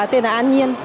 tên là an nhiên